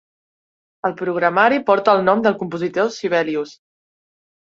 El programari porta el nom del compositor Sibelius.